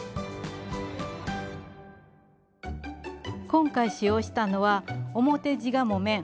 今回使用したのは表地が木綿。